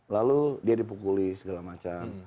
lalu dia dipukuli segala macam